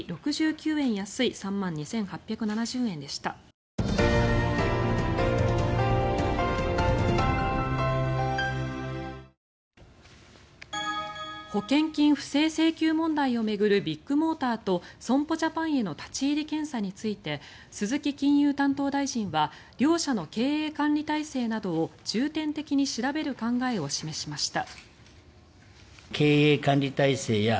午後に有識者会議が開かれ保険金不正請求問題を巡るビッグモーターと損保ジャパンへの立ち入り検査について鈴木金融担当大臣は両社の経営管理体制などを重点的に調べる考えを示しました。